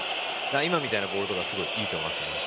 今みたいなボールはすごい、いいと思います。